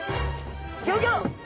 ギョギョ！